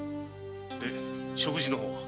で食事の方は？